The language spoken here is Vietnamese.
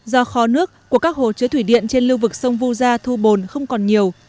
do khó nước của các hồ chứa thủy điện trên lưu vực sông vu gia thu bồn không còn nhiều